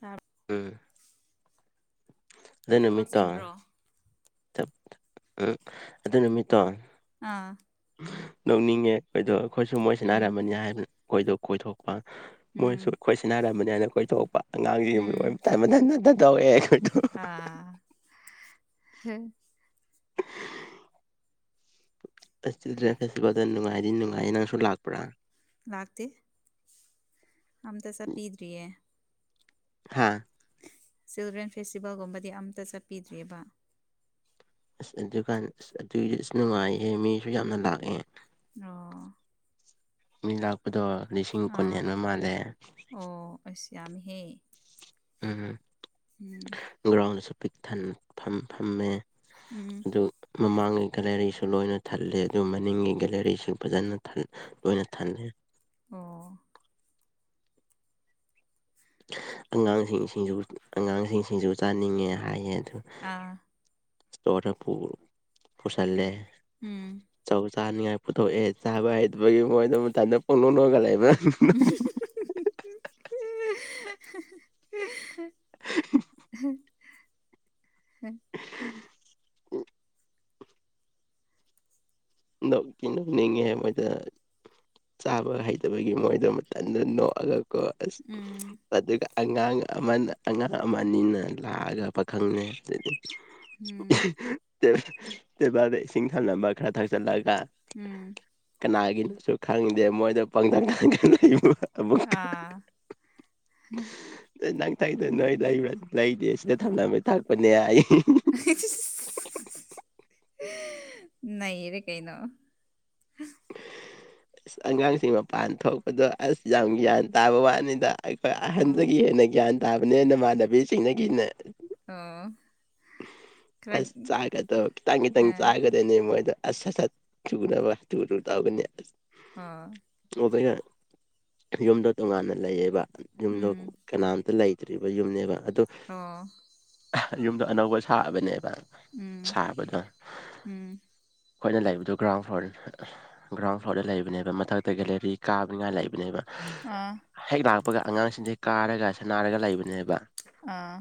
ꯇꯥ ꯎꯝ ꯑꯗꯨꯦ ꯅꯨꯃꯤꯠꯇꯥ ꯆꯤꯟꯕ꯭ꯔꯣ ꯎꯝ ꯑꯗꯨ ꯅꯨꯃꯤꯠꯇꯣ ꯑꯥ ꯂꯧꯅꯤꯡꯉꯦ ꯑꯩꯈꯣꯏꯗꯣ ꯑꯩꯈꯣꯏꯁꯨ ꯃꯣꯏ ꯎꯝ ꯁꯥꯟꯅꯔꯝꯃꯅꯤ ꯍꯥꯏꯕ ꯑꯩꯈꯣꯏꯗꯣ ꯀꯣꯏꯊꯣꯛꯄ ꯃꯣꯏꯁꯨ ꯎꯝ ꯑꯩꯈꯣꯏ ꯁꯤꯅꯔꯃꯅꯤ ꯍꯥꯏꯅ ꯀꯣꯏꯊꯣꯛꯄ ꯑꯉꯥꯡꯁꯤꯡ ꯎꯝ ꯇ ꯇꯧꯋꯦ ꯈꯗꯣ ꯑꯥ ꯍ [inaudible] ꯑꯁ ꯆꯤꯜꯗ꯭ꯔꯦꯟ ꯐꯦꯁꯇꯤꯚꯦꯜꯗ ꯅꯨꯡꯉꯥꯏꯗꯤ ꯅꯨꯡꯉꯥꯏꯌꯦ ꯅꯪꯁꯨ ꯂꯥꯛꯄ꯭ꯔꯥ ꯂꯥꯛꯇ ꯑꯝ ꯇ ꯁ ꯄꯗ꯭ꯔꯤꯌꯦꯦ ꯍꯥꯥ ꯆꯤꯜꯗ꯭ꯔꯦꯟ ꯐꯦꯁꯇꯤꯚꯦꯜꯒꯨꯝꯕꯗꯤ ꯑꯝꯇ ꯆꯠꯄꯤꯗ꯭ꯔꯤꯑꯕ ꯑꯁ ꯑꯗꯨꯀꯥꯟ ꯑꯁ ꯑꯗꯨꯏꯗꯤ ꯑꯁ ꯅꯨꯡꯉꯥꯏꯍꯦ ꯃꯤꯁꯨ ꯌꯥꯝꯅ ꯂꯥꯛꯑꯦ ꯑꯣ ꯃꯤ ꯂꯥꯛꯄꯗꯣ ꯂꯤꯁꯤꯡ ꯀꯨꯟ ꯑꯥ ꯍꯦꯟꯕ ꯃꯥꯜꯂꯦ ꯑꯣ ꯑꯁꯤꯁꯃꯤꯍꯦ ꯎꯝ ꯎꯝ ꯒ꯭ꯔꯥꯎꯟꯗꯁꯨ ꯄꯤꯛ ꯊꯟ ꯐ ꯐꯝꯃꯦ ꯎꯝ ꯑꯗꯨ ꯃꯃꯥꯡꯒꯤ ꯒꯦꯂꯔꯤꯁꯨ ꯂꯣꯏꯅ ꯊꯜꯂꯦ ꯑꯗꯨ ꯃꯅꯤꯡꯒꯤ ꯒꯦꯂꯔꯤꯁꯨ ꯐꯖꯅ ꯇꯣꯏꯅ ꯊꯥꯟꯗꯦ ꯑꯣ ꯑꯉꯥꯡꯁꯤꯡꯁꯤꯁꯨ ꯑꯉꯥꯡꯁꯤꯡꯁꯤꯁꯨ ꯆꯥꯅꯤꯡꯉꯦ ꯍꯥꯏꯌꯦ ꯑꯗꯨ ꯑꯥ ꯁꯇꯣꯔ ꯄ ꯄꯁꯂꯦ ꯎꯝ ꯆꯧ ꯆꯥꯅꯤꯡꯉꯥꯏ ꯄꯨꯊꯣꯛꯑꯦ ꯆꯥꯕ ꯍꯩꯕꯒꯤ ꯃꯣꯏꯗ ꯃꯇꯝꯥꯏꯗ ꯄꯣꯛꯣꯛꯅꯒ ꯂꯩꯕ [inaudible] ꯎ ꯅ ꯀ ꯅꯅꯤꯡꯦ ꯃꯖ ꯆꯥꯕ ꯍꯩꯇꯕꯒꯤ ꯃꯣꯏꯗꯣ ꯃꯇꯝꯗ ꯅꯣꯛꯑꯒꯀꯣ ꯑꯁ ꯎꯝ ꯑꯗꯨꯒ ꯑꯉꯥꯡ ꯑꯃꯅ ꯑꯉꯥꯡ ꯑꯃꯅꯤꯅ ꯂꯥꯛꯑꯒ ꯄꯥꯈꯪꯅ ꯑꯗꯨꯗꯤ ꯎꯝ ꯕꯥ ꯁꯤꯁꯤꯡꯊꯜ ꯂꯝꯕ ꯈꯔ ꯊꯥ ꯆꯠꯂꯒ ꯎꯝ ꯀꯅꯥꯒꯤꯅꯣꯁꯨ ꯈꯪꯗꯦ ꯃꯣꯏꯗ ꯄꯪꯊꯪ ꯈꯪꯈꯟ ꯂꯩꯕ ꯑꯗꯨꯕꯨ ꯑꯥ ꯅꯪꯊꯛꯗ ꯅꯣꯏ ꯂꯩꯕ ꯂꯩꯇꯦ ꯁꯤꯗ ꯊꯝꯂꯝꯅꯕ ꯊꯥꯛꯄꯅꯦ ꯑꯩ ꯅꯔꯦ ꯀꯩꯩꯅꯣ ꯑꯁ ꯑꯉꯥꯡꯁꯤꯡ ꯃꯄꯥꯟ ꯊꯣꯛꯄꯗꯣ ꯑꯁ ꯌꯥꯝ ꯒ꯭ꯌꯥꯟ ꯇꯥꯕ ꯋꯥꯅꯤꯗ ꯑꯩꯈꯣꯏ ꯑꯣ ꯑꯍꯟꯗꯒꯤ ꯍꯦꯟꯅ ꯒ꯭ꯌꯥꯟ ꯇꯥꯕꯅꯤ ꯏꯃꯥꯟꯅꯕꯤꯁꯤꯡꯅꯗꯒꯤ ꯍꯦꯟꯅ ꯑꯣ ꯈꯔ ꯁ ꯆꯥꯒꯗꯧꯈꯤ ꯇꯥꯡꯪꯒꯤ ꯇꯪ ꯑꯥ ꯆꯥꯒ ꯅꯦ ꯃꯣꯏꯗ ꯑꯁ ꯑ ꯁꯠ ꯆꯨꯒꯨꯅꯕꯨꯨ ꯇꯧꯒꯅꯤ ꯑꯁ ꯍꯥꯥ ꯑꯣꯕꯒ ꯌꯨꯝꯗꯣ ꯇꯣꯉꯥꯟꯅ ꯂꯩꯌꯦꯕ ꯌꯨꯝꯗꯣ ꯎꯝ ꯀꯅꯥꯝꯇ ꯂꯩꯇ꯭ꯔꯤꯕ ꯌꯨꯝꯅꯦꯕ ꯑꯗꯣ ꯑꯣ ꯌꯨꯝꯗꯣ ꯑꯅꯧꯕ ꯁꯥꯕꯅꯦꯕ ꯎꯝ ꯁꯥꯕꯗ ꯎꯝ ꯑꯩꯈꯣꯏꯅ ꯂꯩꯕꯗꯣ ꯒ꯭ꯔꯥꯎꯟ ꯐ꯭ꯂꯣꯔ ꯒ꯭ꯔꯥꯎꯟ ꯐ꯭ꯂꯣꯔꯗ ꯂꯩꯕꯅꯦꯕ ꯃꯊꯛꯇ ꯒꯦꯂꯦꯔꯤ ꯀꯥꯕꯅꯤꯉꯥꯏ ꯂꯩꯕꯅꯦꯕ ꯑꯥ ꯍꯦꯛ ꯂꯥꯛꯄꯒ ꯑꯉꯥꯡꯁꯤꯡꯁꯦ ꯀꯥꯔꯒ ꯁꯅꯥꯔꯒ ꯂꯩꯕꯅꯦꯕ ꯑꯥ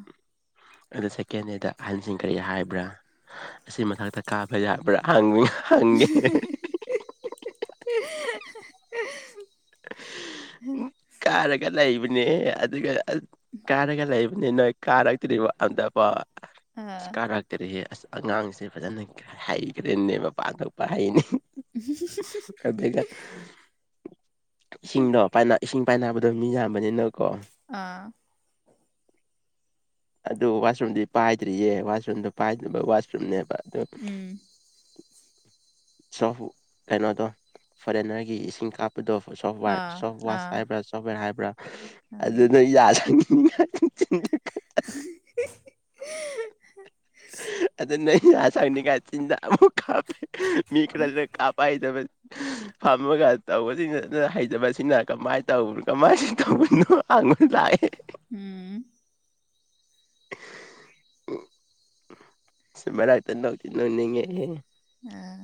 ꯑꯗ ꯁꯦꯀꯦꯟ ꯍꯦꯗ ꯑꯍꯟꯁꯤꯡ ꯀꯔꯤ ꯍꯥꯏꯕ꯭ꯔꯥ ꯑꯁꯤ ꯃꯊꯛꯇ ꯀꯥꯕ ꯌꯥꯕ꯭ꯔꯥ ꯍꯪ ꯍꯪꯒꯦ [unintelligible] ꯀꯥꯔꯒ ꯂꯩꯕꯅꯦ ꯑꯗꯨꯒ ꯀꯥꯔꯒ ꯂꯩꯕ ꯅꯣꯏ ꯀꯥꯔꯛꯇ꯭ꯔꯤꯕ ꯑꯝꯇ ꯑꯥ ꯀꯥꯔ ꯀꯔꯤ ꯑꯁ ꯑꯉꯥꯡꯁꯦ ꯐꯖꯅ ꯍꯩꯈ꯭ꯔꯦꯅꯦꯕ ꯄꯥꯡꯊꯛꯄ ꯍꯩꯅꯦ ꯑꯗꯨꯒ ꯏꯁꯤꯡꯗꯣ ꯏꯁꯤꯡ ꯄꯥꯏꯅꯕꯗꯣ ꯃꯤ ꯌꯥꯝꯕꯅꯤꯅꯀꯣ ꯑꯥ ꯑꯗꯨ ꯋꯥꯁꯔꯨꯝꯗꯤ ꯄꯥꯏꯗ꯭ꯔꯤꯌꯦ ꯋꯥꯁꯔꯨꯝꯗꯣ ꯄꯥꯏꯗꯕ ꯋꯥꯁꯔꯨꯝꯅꯦꯕ ꯑꯣ ꯎꯝ ꯁꯣ ꯀꯩꯅꯣꯗꯣ ꯐꯣꯔꯦꯟꯅꯔꯒꯤ ꯏꯁꯤꯡ ꯀꯥꯞ ꯑꯥ ꯁꯣꯐ ꯋꯥꯁ ꯑꯥ ꯍꯥꯏꯕ꯭ꯔꯥ ꯁꯣꯐꯋꯦꯔ ꯍꯥꯏꯕ꯭ꯔꯥ ꯈꯪꯗꯦ ꯑꯗꯨꯅ ꯌꯥ [unintelligible] [inaudible] ꯑꯗ ꯅ ꯑ ꯁꯪꯅꯤ ꯀꯥꯏꯆꯤꯟꯖꯃ ꯀꯥꯄꯦ ꯃꯤ ꯈꯔ꯭ꯁꯦ ꯀꯥꯄꯥ ꯍꯥꯏꯗ [inaudible] ꯐꯝꯃꯒ ꯇꯧꯕꯁꯤꯡꯅ ꯍꯩꯖꯕꯁꯤꯅ ꯀꯃꯥꯏꯅ ꯇꯧꯕꯅꯣ ꯀꯃꯥꯏ ꯇꯧꯕꯅꯣ [unintelligible] ꯎꯝ ꯁꯤꯃꯔ ꯅꯣꯛꯇꯤ ꯅꯣꯛꯅꯤꯡꯉꯦꯍꯦ ꯫ ꯑꯥ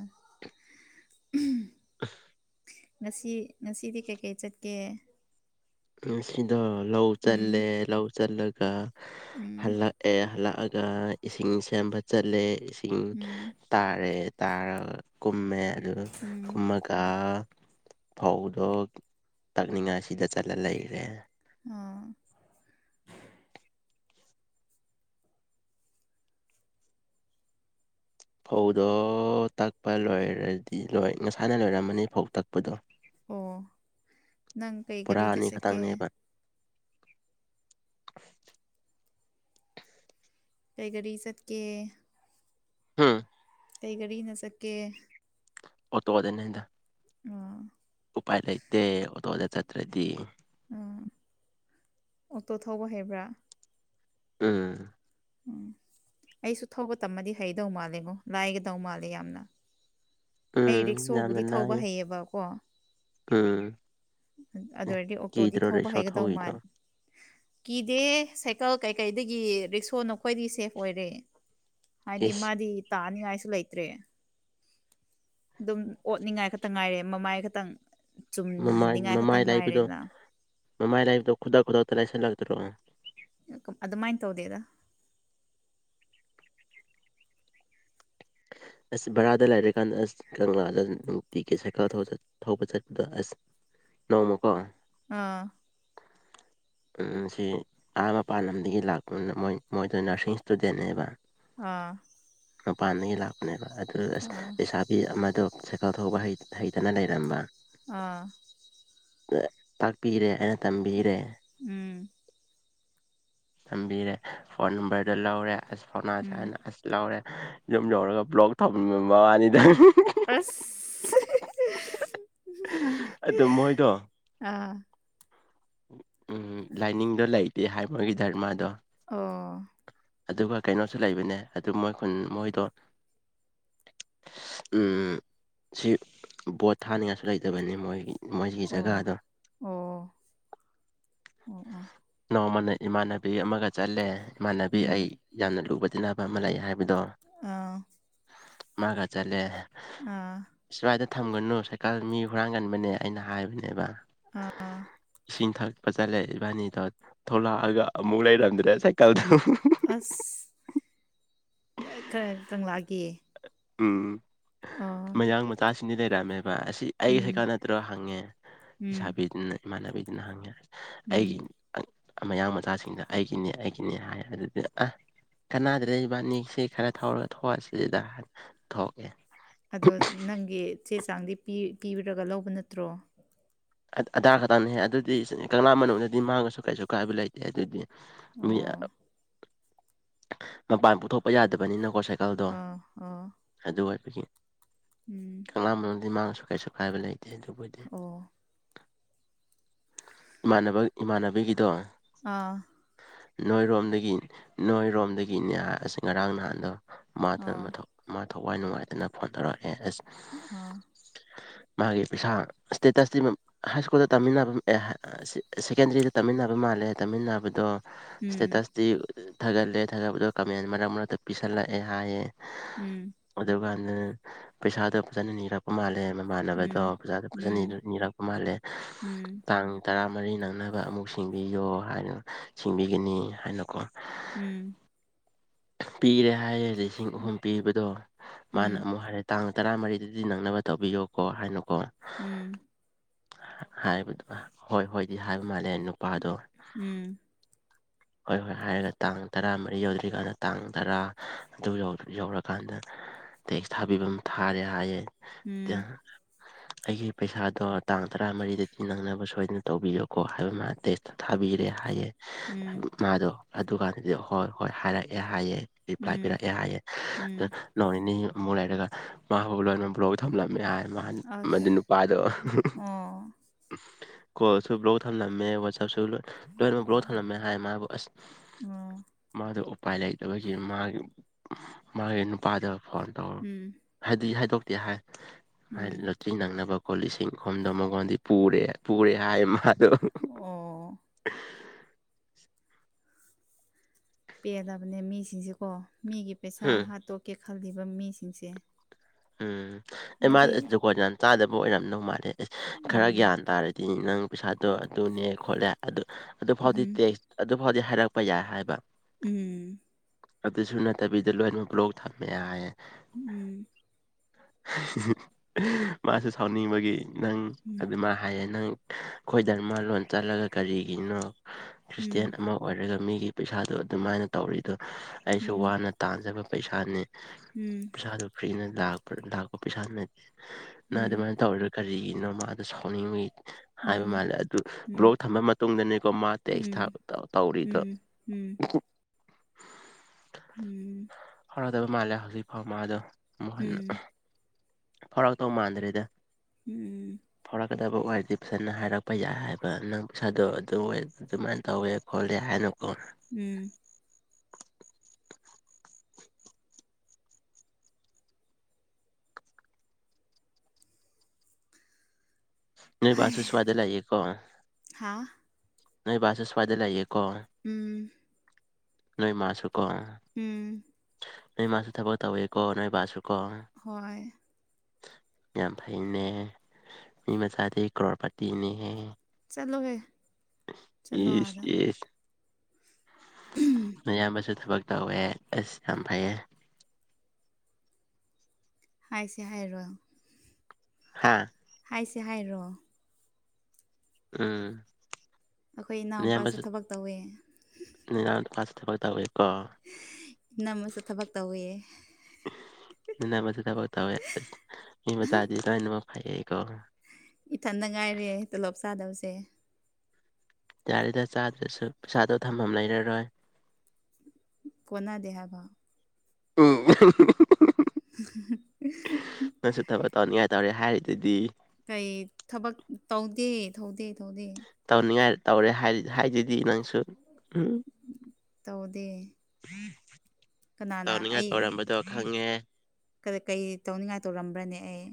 [unintelligible] ꯉꯁꯤ ꯉꯁꯤꯗꯤ ꯀꯩꯀꯩ ꯆꯠꯀꯦ ꯁꯤꯗꯣ ꯂꯧ ꯆꯜꯂꯦ ꯎꯝ ꯂꯧ ꯆꯜꯂꯒ ꯎꯝ ꯍꯜꯂꯛꯑꯦ ꯍꯜꯂꯛꯑꯒ ꯏꯁꯤꯡ ꯁꯦꯝꯕ ꯆꯠꯂꯦ ꯏꯁꯤꯡ ꯎꯝ ꯇꯥꯔꯦ ꯇꯥꯔꯒ ꯀꯨꯝꯃꯦ ꯑꯗꯨ ꯎꯝ ꯀꯨꯝꯃꯒ ꯆ ꯐꯧꯗꯣ ꯇꯛꯅꯤꯡꯉꯥꯏ ꯁꯤꯗ ꯆꯠꯂ ꯂꯩꯈꯔꯦ ꯑꯥ ꯐꯧꯗꯣ ꯇꯛꯄ ꯂꯣꯏꯔꯗꯤ ꯂꯣꯏ ꯉꯁꯥꯅ ꯂꯣꯏꯔꯝꯃꯅꯤ ꯐꯧ ꯇꯛꯄ ꯗꯣ ꯑꯣ ꯅꯪ ꯀꯩ ꯄꯨꯔꯥ ꯒꯥꯔꯤꯗ ꯑꯅꯤ ꯆꯠꯀꯦ ꯈꯛꯇꯪꯅꯦꯕ ꯀꯩ ꯘꯔꯤ ꯆꯠꯀꯦ ꯎꯝ ꯀꯩ ꯘꯥꯔꯤꯅ ꯆꯠꯀꯦ ꯑꯣꯇꯣ ꯑꯗꯅꯤꯗ ꯑꯥ ꯎꯐꯥꯏ ꯂꯩꯇꯦ ꯅꯠꯇ꯭ꯔꯗꯤ ꯑꯥ ꯑꯣꯇꯣ ꯊꯧꯕ ꯍꯩꯕ꯭ꯔꯥ ꯎꯝ ꯎꯝ ꯑꯩꯁꯨ ꯊꯧꯕ ꯇꯝꯃꯗꯤ ꯍꯩꯗꯧ ꯃꯥꯜꯂꯦꯉꯣ ꯂꯥꯏꯒꯗꯧ ꯃꯥꯜꯂꯦ ꯌꯥꯝꯅ ꯑꯩ ꯎꯝ ꯌꯥꯝꯅ ꯔꯤꯛꯁꯣꯕꯨꯗꯤ ꯊꯧꯕ ꯂꯥꯏꯌꯦ ꯍꯩꯌꯦꯕꯀꯣ ꯎꯝ ꯑꯗꯨ ꯑꯣꯏꯔꯗꯤ ꯑꯣꯛꯇꯣꯗꯤ ꯀꯤꯗ꯭ꯔꯣ ꯊꯧꯕ ꯔꯤꯛꯁꯣ ꯍꯩꯒꯗꯧ ꯊꯧꯔꯤꯗꯣ ꯃꯥꯜ ꯀꯤꯗꯦ ꯁꯥꯏꯀꯜ ꯀꯩꯀꯩꯗꯒꯤ ꯔꯤꯛꯁꯣ ꯅꯈ꯭ꯋꯥꯗꯤ ꯁꯦꯐ ꯑꯣꯏꯔꯦ ꯍꯥꯏꯗꯤ ꯏꯁ ꯃꯥꯗꯤ ꯇꯥꯅꯤꯉꯥꯏꯁꯨ ꯂꯩꯇ꯭ꯔꯦ ꯑꯗꯨꯝ ꯑꯣꯠꯅꯤꯡꯉꯥꯏ ꯈꯛꯇ ꯉꯥꯏꯔꯦ ꯃꯃꯥꯏ ꯈꯛꯇꯪ ꯃꯃꯥꯏ ꯆꯨꯝꯍꯟꯅꯤꯡꯉꯥꯏ ꯃꯃꯥꯏ ꯈꯛꯇꯪ ꯂꯥꯏꯕꯗꯣ ꯉꯥꯏꯔꯦꯗꯅ ꯃꯃꯥꯏ ꯂꯥꯏꯕꯇꯣ ꯈꯨꯗꯛ ꯈꯨꯗꯛꯇ ꯂꯥꯏꯁꯤꯜꯂꯛꯇ꯭ꯔꯣ ꯑꯗꯨꯃꯥꯏꯅ ꯇꯧꯗꯦꯗ ꯑꯁ ꯕꯔꯥꯗ ꯂꯩꯥꯏꯔꯀꯥꯟꯗ ꯑꯁ ꯀꯪꯂꯥꯗ ꯅꯨꯡꯇꯤꯒꯤ ꯁꯥꯏꯀꯜ ꯊꯧꯕ ꯆꯠꯄꯗ ꯑꯁ ꯅꯣꯡꯃꯀꯣ ꯑꯥ ꯎꯝ ꯁꯤ ꯑꯍꯥ ꯃꯄꯥꯟ ꯂꯝꯗꯒꯤ ꯂꯥꯛꯄ ꯃꯣꯏ ꯃꯣꯏꯗꯣ ꯅꯔꯁꯤꯡ ꯏꯁꯇꯨꯗꯦꯟꯅꯦꯕ ꯑꯥ ꯃꯄꯥꯟꯗꯒꯤ ꯂꯥꯛꯄꯅꯦꯕ ꯑꯗꯨ ꯑꯁ ꯑꯥ ꯄꯩꯁꯥ ꯃꯤ ꯑꯃꯗꯣ ꯁꯥꯏꯀꯜ ꯊꯧꯕ ꯍꯩ ꯍꯩꯇꯅ ꯂꯩꯔꯝꯕ ꯑꯝ ꯇꯥꯛꯄꯤꯔꯦ ꯑꯩꯅꯥ ꯇꯝꯕꯤꯔꯦ ꯎꯝ ꯊꯝꯕꯤꯔꯦ ꯐꯣꯟ ꯅꯝꯕꯔꯗꯣ ꯂꯧꯔꯦ ꯑꯁ ꯐꯥꯎꯅꯥꯁꯦ ꯎꯝ ꯍꯥꯏꯅ ꯑꯁ ꯂꯧꯔꯦ ꯌꯨꯝ ꯌꯧꯔꯒ ꯕ꯭ꯂꯣꯛ ꯊꯝꯂꯝꯕ ꯋꯥꯅꯦꯗ ꯑꯁ ꯑꯗꯨ ꯃꯣꯏꯗꯣ ꯑꯥ ꯎꯝ ꯂꯥꯏꯅꯤꯡꯗꯣ ꯂꯩꯇꯦ ꯍꯥꯏꯕꯒꯤ ꯃꯣꯏꯒꯤ ꯙꯔꯃꯗꯣ ꯑꯣ ꯑꯗꯨꯒ ꯀꯩꯅꯣꯁꯨ ꯂꯩꯕꯅꯦ ꯑꯗꯨ ꯃꯣꯏ ꯈꯨꯟ ꯃꯣꯏꯗꯣ ꯑꯝ ꯁꯤ ꯕꯣꯠ ꯊꯥꯅꯤꯡꯉꯥꯏꯁꯨ ꯂꯩꯇꯕꯅꯤ ꯃꯣꯏꯒꯤ ꯃꯣꯏꯒꯤ ꯑꯣ ꯖꯒꯥꯗꯣ ꯑꯣ ꯑꯣ ꯑꯣ ꯅꯣꯡꯃꯅ ꯏꯃꯥꯟꯅꯕꯤ ꯑꯃꯒ ꯆꯠꯂꯦ ꯏꯃꯥꯟꯅꯕꯤ ꯎꯝ ꯑꯩ ꯌꯥꯝꯅ ꯂꯨꯕ ꯇꯤꯅꯕ ꯑꯃ ꯂꯩ ꯍꯥꯏꯕ ꯕꯗꯣ ꯑꯥ ꯃꯥꯒ ꯆꯠꯂꯦ ꯑꯥ ꯁꯋꯥꯏꯗ ꯊꯝꯒꯅꯨ ꯁꯥꯏꯀꯜ ꯃꯤ ꯍꯨꯔꯥꯟꯒꯟꯕꯅꯦ ꯑꯩꯅ ꯍꯥꯏꯕꯅꯦꯕ ꯑꯥ ꯑꯥ ꯏꯁꯤꯡ ꯊꯛꯄ ꯆꯠꯂꯦ ꯏꯕꯥꯅꯤꯗꯣ ꯊꯣꯛꯂꯛꯑꯒ ꯑꯃꯨꯛ ꯂꯩꯔꯝꯗ꯭ꯔꯦ ꯁꯥꯏꯀꯜꯗꯣꯛ ꯑꯁ ꯑ ꯀꯔꯥ ꯀꯪꯂꯥꯒꯤ ꯎꯝ ꯑꯣ ꯃꯌꯥꯡ ꯃꯆꯥꯁꯤꯡꯗꯤ ꯂꯩꯔꯝꯃꯦꯕ ꯑꯁꯤ ꯑꯩ ꯁꯥꯏꯀꯜ ꯎꯝ ꯅꯠꯇ꯭ꯔꯣ ꯍꯪꯉꯦ ꯂꯩ ꯎꯝ ꯁꯥꯕꯤꯗꯨꯅ ꯏꯃꯥꯟꯅꯕꯤꯗꯨꯅ ꯍꯪꯉꯦ ꯑꯩꯒꯤ ꯎꯝ ꯃꯌꯥꯡ ꯃꯆꯥꯁꯤꯡꯗ ꯑꯩꯒꯤꯅꯦ ꯑꯩꯒꯤꯅꯦ ꯍꯥꯏ ꯑꯗꯨꯗꯤ ꯑ ꯀꯅꯥꯗ꯭ꯔꯦ ꯏꯕꯥꯟꯅꯤꯁꯤ ꯈꯔ ꯊꯧꯔꯒ ꯊꯣꯛꯑꯁꯤꯗ ꯊꯣꯛꯑꯦ ꯑꯗꯣ ꯅꯪꯒꯤ ꯆꯦ ꯆꯥꯡꯗꯤ ꯄꯤ ꯄꯤꯕꯤꯔꯒ ꯂꯧꯕ ꯅꯠꯇ꯭ꯔꯣ ꯑꯙꯥ ꯈꯛꯇꯪꯅ ꯍꯦ ꯑꯗꯨꯗꯤ ꯀꯪꯂꯥ ꯃꯅꯨꯡꯗꯗꯤ ꯃꯥꯡꯉꯁꯨ ꯀꯩꯁꯨ ꯀꯥꯏꯕ ꯂꯩꯇꯦ ꯑꯗꯨꯗꯤ ꯃꯥ ꯑ ꯑꯣ ꯃꯄꯥꯟ ꯄꯨꯊꯣꯛꯄ ꯌꯥꯗꯕꯅꯤꯅꯀꯣ ꯁꯥꯏ ꯑꯥ ꯑꯥ ꯑꯗꯨ ꯑꯣꯏꯕꯒꯤ ꯎꯝ [unintelligible] ꯀꯩꯁꯨ ꯀꯥꯏꯕ ꯂꯩꯇꯦ ꯑꯗꯨꯕꯨꯗꯤ ꯑꯣ ꯏꯃꯥꯟꯅꯕ ꯏꯃꯥꯟꯅꯕꯒꯤꯗꯣ ꯑꯥ ꯅꯣꯏꯔꯣꯝꯗꯒꯤ ꯅꯣꯏꯔꯣꯝꯗꯒꯤꯅꯦ ꯑꯁ ꯉꯔꯥꯡ ꯅꯍꯥꯟꯗꯣ ꯃꯥ ꯑꯥ ꯃꯥ ꯊꯋꯥꯏ ꯅꯨꯡꯉꯥꯏꯇꯅ ꯐꯣꯟ ꯇꯧꯔꯛꯑꯦ ꯑꯁ ꯑꯥ ꯃꯥꯒꯤ ꯄꯩꯁꯥ ꯏꯁꯇꯦꯇꯁꯇꯤ ꯍꯥꯏ ꯁ꯭ꯀꯨꯜꯗ ꯇꯝꯃꯤꯟꯅꯕ ꯑꯦ ꯁꯦꯀꯦꯟꯗꯔꯤꯗ ꯇꯝꯃꯤꯟꯅꯕ ꯃꯥꯜꯂꯦ ꯇꯝꯃꯤꯟꯅꯕꯗꯣ ꯎꯝ ꯏꯁꯇꯦꯇꯁꯇꯤ ꯊꯥꯒꯠꯂꯦ ꯊꯥꯒꯠꯄꯗ ꯀꯃꯦꯟ ꯃꯔꯛ ꯃꯔꯛꯇ ꯄꯤꯁꯜꯂꯛꯑꯦ ꯍꯥꯏꯌꯦ ꯎꯝ ꯑꯗꯨꯀꯥꯟꯗ ꯄꯩꯁꯥꯗꯣ ꯐꯖꯅ ꯅꯤꯔꯛꯄ ꯃꯥꯜꯂꯦ ꯃꯃꯥꯟꯅꯕꯗꯣ ꯎꯝ ꯄꯩꯖꯥꯗ ꯆꯅꯥꯗꯣ ꯎꯝ ꯅꯤꯔꯛꯄ ꯃꯥꯜꯂꯦ ꯎꯝ ꯇꯥꯡ ꯇꯔꯥꯃꯔꯤ ꯅꯪꯅꯕ ꯑꯃꯨꯛ ꯁꯤꯡꯕꯤꯌꯣ ꯍꯥꯏꯅ ꯁꯤꯡꯕꯤꯒꯅꯤ ꯍꯥꯏꯅꯀꯣ ꯎꯝ ꯄꯤꯔꯦ ꯍꯥꯏꯌꯦ ꯂꯤꯁꯤꯡ ꯑꯍꯨꯝ ꯄꯤꯕꯗꯣ ꯃꯥꯅ ꯎꯝ ꯑꯃꯨꯛ ꯍꯥꯏꯔꯛ ꯇꯥꯡ ꯇꯔꯥꯃꯔꯤꯗꯗꯤ ꯅꯪꯅꯕ ꯇꯧꯕꯤꯌꯣꯀꯣ ꯍꯥꯏꯅꯀꯣ ꯎꯝ ꯍꯥꯏꯕꯗꯨ ꯍꯣꯏ ꯍꯣꯏꯗꯤ ꯍꯥꯏꯕ ꯃꯥꯜꯂꯦ ꯅꯨꯄꯥꯗꯣ ꯎꯝ ꯍꯣꯏ ꯍꯣꯏ ꯍꯥꯏꯔꯒ ꯇꯥꯡ ꯇꯔꯥ ꯃꯔꯤ ꯌꯧꯗ꯭ꯔꯤꯀꯥꯟꯗ ꯇꯥꯡ ꯇꯔꯥ ꯑꯗꯨ ꯌꯧꯔꯀꯥꯟꯗ ꯇꯦꯛꯁ ꯊꯥꯕꯤꯕ ꯑꯃ ꯊꯥꯔꯦ ꯍꯥꯏꯌꯦꯦ ꯎꯝ ꯑꯩꯒꯤ ꯄꯩꯁꯥꯗꯣ ꯇꯥꯡ ꯇꯔꯥꯃꯔꯤꯗꯗꯤ ꯅꯪꯅꯕ ꯁꯣꯏꯗꯅ ꯇꯧꯕꯤꯌꯣꯀꯣ ꯍꯥꯏꯕ ꯃꯥ ꯇꯦꯁꯇ ꯊꯥꯕꯤꯔꯦ ꯍꯥꯏꯌꯦꯦ ꯎꯝ ꯃꯥꯗꯣ ꯑꯗꯨꯀꯥꯟꯗꯗꯤ ꯍꯣꯏ ꯍꯣꯏ ꯍꯥꯏꯔꯛꯑꯦ ꯍꯥꯏꯑꯦ ꯔꯤꯄ꯭ꯂꯥꯏ ꯎꯝ ꯄꯤꯔꯛꯑꯦ ꯍꯥꯏꯑꯦ ꯑꯗ ꯎꯝ unintelligible ꯃꯗꯨ ꯑꯁ ꯅꯨꯄꯥꯗꯣ ꯑꯣ ꯀꯣꯜꯁꯨ ꯕ꯭ꯂꯣꯛ ꯊꯝꯂꯝꯃꯦ ꯋꯥꯆꯞꯁꯨ ꯂꯣꯏꯅ ꯂꯣꯏꯅꯃꯛ ꯕ꯭ꯂꯣꯛ ꯊꯝꯂꯝꯃꯦ ꯍꯥꯏ ꯃꯥꯕꯨ ꯑꯁ ꯎꯝ ꯃꯥꯗꯣ ꯎꯄꯥꯏ ꯂꯩꯇꯕꯒꯤ ꯃꯥꯒꯤ ꯃꯥꯒꯤ ꯅꯨꯄꯥꯗ ꯐꯣꯟ ꯇꯧ ꯎꯝ ꯍꯥꯏ ꯍꯥꯏꯗꯣꯛꯇꯦ ꯍꯥꯏ ꯎꯝ ꯊꯤ ꯅꯪꯅꯕ ꯈꯣꯠ ꯂꯤꯁꯤꯡ ꯈꯣꯝꯗꯣ ꯃꯉꯣꯟꯗꯤ ꯄꯨꯔꯦ ꯄꯨꯔꯦ ꯍꯥꯏ ꯃꯥꯗꯣ ꯑꯣ ꯄꯦꯗꯕꯅꯦ ꯃꯤꯁꯤꯡꯁꯦꯀꯣ ꯃꯤꯒꯤ ꯄꯩꯁꯥ ꯎꯝ ꯍꯥꯠꯇꯣꯛꯀꯦ ꯈꯜꯂꯤꯕ ꯃꯤꯁꯤꯡꯁꯦ ꯎꯝ ꯑꯩ ꯍꯥꯏꯗꯤ ꯃꯥꯁ ꯗꯨꯀꯥꯟ ꯌꯥꯝ ꯆꯥꯗꯕ ꯑꯣꯏꯔꯝꯗꯧ ꯃꯥꯜꯂꯦ ꯑꯩꯁ ꯈꯔ ꯎꯝ ꯒ꯭ꯌꯥꯟ ꯇꯥꯔꯗꯤ ꯅꯪ ꯄꯩꯁꯥꯗꯣ ꯑꯗꯨꯅꯦ ꯈꯣꯠꯂꯦ ꯑꯗꯨ ꯑꯗꯨꯐꯥꯎꯗꯤ ꯎꯝ ꯇꯦꯛꯁ ꯑꯗꯨꯐꯥꯎꯗꯤ ꯍꯥꯏꯔꯛꯄ ꯌꯥꯏ ꯍꯥꯏꯕ ꯎꯝ ꯑꯗꯨꯁꯨ ꯅꯠꯇꯕꯤꯗ ꯂꯣꯏꯅꯃꯛ ꯕ꯭ꯂꯣꯛ ꯊꯝꯃꯦ ꯍꯥꯏꯌꯦꯦ ꯎꯝ ꯃꯥꯁꯨꯦ ꯁꯥꯎꯅꯤꯡꯕꯒꯤ ꯅꯪ ꯍꯥꯏꯗꯤ ꯃꯥ ꯍꯥꯏꯌꯦ ꯅꯪ ꯑꯩꯈꯣꯏ ꯙꯔꯃ ꯂꯣꯟ ꯆꯠꯂꯒ ꯀꯔꯤꯒꯤꯅꯣ ꯈ꯭ꯔꯤꯁꯇꯌꯥꯟ ꯑꯃ ꯑꯣꯏꯔꯒ ꯃꯤꯒꯤ ꯄꯩꯁꯥꯗꯣ ꯑꯗꯨꯃꯥꯏꯅ ꯇꯧꯔꯤꯗꯣ ꯑꯩꯁꯨ ꯋꯥꯅ ꯇꯥꯖꯕ ꯄꯩꯁꯥꯅꯤ ꯎꯝ ꯄꯩꯁꯥꯗꯨꯣ ꯐ꯭ꯔꯤꯅ ꯂꯥꯛꯄ ꯄꯩꯁꯥꯗꯨ ꯅꯠꯇꯦ ꯑꯗꯨꯃꯥꯏꯅ ꯇꯧꯔ ꯀꯔꯤꯒꯤꯅꯣ ꯃꯥꯗ ꯁꯥꯎꯅꯤꯡꯉꯤ ꯍꯥꯏꯕ ꯃꯥꯜꯂꯦ ꯑꯗꯨ ꯕ꯭ꯂꯣꯛ ꯊꯝꯕ ꯃꯇꯨꯡꯗꯅꯤꯀꯣ ꯃꯥ ꯇꯦꯛꯁ ꯊ ꯇꯧꯔꯤꯗꯣ ꯎꯝ ꯎꯝ ꯍꯔꯗꯕ ꯃꯥꯜꯂꯦ ꯍꯧꯖꯤꯛ ꯐꯥꯎ ꯃꯥꯗꯣ ꯃꯨꯟꯅ ꯎꯝ ꯐꯧꯔꯥꯛ ꯇꯧ ꯃꯥꯟꯗ꯭ꯔꯦꯗ ꯎꯝ ꯐꯥꯎꯔꯛꯀꯗꯕ ꯑꯣꯏꯔꯗꯤ ꯐꯖꯅ ꯍꯥꯏꯔꯛꯄ ꯌꯥꯏ ꯍꯥꯏꯕ ꯅꯪ ꯄꯩꯁꯥꯗꯣ ꯑꯗꯨꯋ ꯑꯗꯨꯃꯥꯏꯅ ꯇꯧꯋꯦ ꯈꯣꯠꯂꯦ ꯍꯥꯏꯅꯨꯀꯣ ꯎꯝ ꯅꯣꯏ ꯕꯥꯁꯨ ꯁ꯭ꯋꯥꯗ ꯂꯏꯀꯣ ꯍꯥ ꯅꯣꯏ ꯕꯥꯁꯨ ꯁ꯭ꯋꯥꯗ ꯂꯏꯀꯣ ꯀꯣ ꯎꯝ ꯅꯣꯏ ꯃꯥꯁꯨ ꯀꯣ ꯎꯝ ꯅꯣꯏ ꯃꯥꯁꯨ ꯊꯕꯛ ꯇꯧꯋꯤꯀꯣ ꯅꯣꯏꯕꯥꯁꯨꯀꯣ ꯍꯣꯏ ꯌꯥꯝ ꯐꯩꯅꯦꯍ ꯃꯤ ꯃꯆꯥꯗꯤ ꯀ꯭ꯔꯣꯔꯄꯥꯇꯤꯅꯦꯍ ꯆꯂꯣꯍꯦ ꯌꯦ ꯑꯦ ꯑꯌꯥꯝꯕꯁꯨ ꯊꯕꯛ ꯇꯧꯋꯦ ꯑꯁ ꯌꯥꯝ ꯐꯩꯌꯦ ꯍꯥꯏꯁꯦ ꯍꯥꯏꯔꯣ ꯍꯥꯥ ꯍꯥꯏꯁꯦ ꯍꯥꯏꯔꯣ ꯎꯝ ꯑꯩꯈꯣꯏ ꯏꯅꯥꯎꯄꯥꯁꯨ ꯊꯕꯛ ꯇꯧꯋꯦ ꯅꯅꯥꯎ ꯅꯨꯄꯥꯁꯨ ꯊꯕꯛ ꯇꯧꯋꯦꯀꯣ ꯏꯅꯝꯃꯁꯨ ꯊꯕꯛ ꯇꯧꯋꯦ ꯅꯅꯝꯃꯁꯨ ꯊꯕꯛ ꯇꯧꯋꯦ ꯑꯁ ꯃꯤ ꯃꯆꯥꯗꯤ ꯂꯣꯏꯅꯃꯛ ꯐꯩꯌꯦꯀꯣ ꯏꯊꯟꯗ ꯉꯥꯏꯔꯦ ꯇꯣꯂꯣꯞ ꯆꯥꯗꯕꯁꯦ ꯌꯥꯔꯦꯗ ꯆꯥꯗ꯭ꯔꯁꯨ ꯄꯩꯁꯥꯗꯣ ꯊꯝꯐꯝ ꯂꯩꯔꯔꯣꯏ ꯀꯣꯅꯥꯗꯦ ꯍꯥꯕ ꯎꯝ ꯍꯥꯍꯥꯍꯥ ꯍꯥ ꯅꯪꯁꯨ ꯊꯕꯛ ꯇꯧꯅꯤꯡꯉꯥꯏ ꯇꯧꯔꯦ ꯍꯥꯏꯔꯤꯗꯨꯗꯤ ꯀꯩ ꯊꯕꯛ ꯇꯧꯗꯦ ꯇꯧꯗꯦ ꯇꯧꯗꯦ ꯇꯧꯅꯤꯡꯉꯥꯏ ꯇꯧꯔꯦ ꯍꯥꯏꯗꯨꯗꯤ ꯅꯪꯁꯨ ꯎꯝ ꯇꯧꯗꯦ ꯀꯅꯥꯅ ꯇꯧꯅꯤꯡꯉꯥꯏ ꯇꯧꯔꯝꯕꯗꯣ ꯈꯪꯉꯦ ꯀ ꯀꯩ ꯇꯧꯅꯤꯡꯉꯥꯏ ꯇꯧꯔꯝꯕ꯭ꯔꯅꯦ ꯑꯩ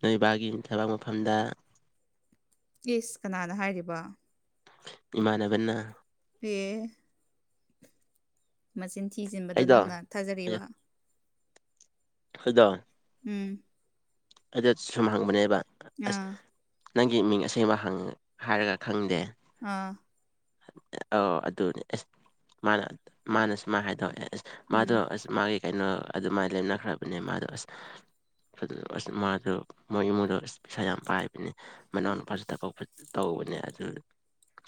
ꯅꯣꯏꯕꯥꯒꯤ ꯊꯕꯛ ꯃꯐꯝꯗ ꯏꯁ ꯀꯅꯥꯅ ꯍꯥꯏꯔꯤꯕ ꯏꯃꯥꯅꯕꯅ ꯄꯦ ꯃꯆꯤꯟ ꯊꯤꯖꯤꯟꯕꯗꯣ ꯑꯩꯗꯣ ꯅꯪꯅ ꯊꯥꯖꯔꯤꯕ [unintelligible] ꯎꯝ ꯑꯗꯨ ꯁꯨꯝ ꯍꯪꯕꯅꯦꯕ ꯑꯁ ꯑꯥ ꯅꯪꯒꯤ ꯃꯤꯡ ꯑꯁꯦꯡꯕ ꯍꯪ ꯍꯥꯏꯔꯒ ꯈꯪꯗꯦ ꯑꯥ ꯑꯧ ꯑꯗꯨꯅꯦ ꯑꯦꯁ ꯃꯥꯅ ꯃꯥꯅ ꯁꯨꯃꯥꯢ ꯍꯥꯏꯗꯣꯛꯑꯦ ꯑꯁ ꯃꯥꯗꯣ ꯎꯝ ꯑꯁ ꯃꯥꯒꯤ ꯀꯩꯅꯣ ꯑꯗꯨꯃꯥꯏꯅ ꯂꯩꯅꯈ꯭ꯔꯕꯅꯦ ꯃꯥꯗꯣ ꯑꯁ ꯑꯁ ꯃꯥꯗꯣ ꯃꯣꯏ ꯏꯃꯨꯡꯗꯣ ꯑꯁ ꯄꯩꯁꯥ ꯌꯥꯝ ꯄꯥꯏꯕꯅꯦ ꯃꯅꯥꯎꯅꯨꯄꯥꯁꯨ ꯊꯕꯛꯄ ꯇꯧꯕꯅꯦ ꯑꯗꯨ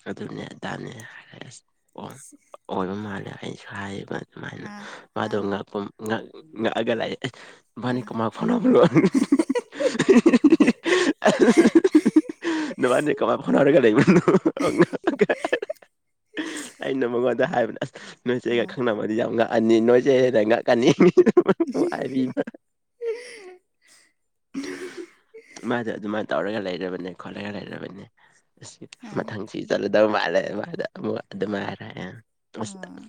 ꯑꯗꯨꯅꯦ ꯑꯗꯥꯅꯦ ꯍꯥꯏꯔꯛꯑꯦ ꯑꯁ ꯑꯣ [unintelligible] ꯑꯣꯏꯕ ꯃꯥꯜꯂꯦ ꯑꯩꯁꯨ ꯍꯥꯏꯌꯦꯕ ꯑꯗꯨꯃꯥꯏꯅ ꯑꯥ ꯑꯥ ꯃꯗꯣ ꯉꯥꯛꯄ ꯉꯛ ꯉꯛꯑꯒ ꯂꯩꯌꯦ ꯑꯦ ꯅꯕꯅꯤ ꯑꯥ ꯀꯃꯥꯢ ꯐꯥꯎꯅꯕ꯭ꯔꯣ [unintelligible] ꯅꯕꯅꯤ ꯀꯃꯥꯏ ꯐꯥꯎꯅꯔꯒ ꯂꯩꯕꯅꯣ ꯍꯪꯉꯛꯑꯒ ꯑꯩꯅ ꯃꯉꯣꯟꯗ ꯍꯥꯏꯕꯅꯦ ꯑꯁ ꯅꯣꯏꯆꯦꯒ ꯑꯥ ꯈꯪꯅꯕꯗꯤ ꯌꯥꯝ ꯉꯛꯑꯅꯤ ꯅꯣꯏꯆꯦ ꯍꯦꯟꯅ ꯉꯛꯀꯅꯤ ꯏꯍꯤ ꯍꯤꯍꯤ ꯍꯥꯏꯕꯤꯕ ꯃꯥꯗꯣ ꯑꯗꯨꯃꯥꯏꯅ ꯇꯧꯔꯒ ꯂꯩꯔꯕꯅꯦ ꯈꯣꯠꯂꯒ ꯂꯩꯔꯕꯅꯦ ꯑꯁ ꯑꯥ ꯃꯊꯪꯁꯤ ꯆꯠꯂꯗꯧꯕ ꯃꯥꯜꯂꯦ ꯃꯥꯏꯗ ꯑꯃꯨꯛ ꯑꯗꯨꯃꯥꯏ ꯍꯥꯢꯔꯛꯑꯦ ꯑꯁ ꯑꯥ